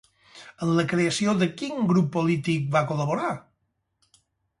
En la creació de quin grup polític va col·laborar?